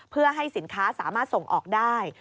เพื่อให้สินค้าสามารถส่งออกได้